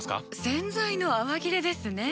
洗剤の泡切れですね。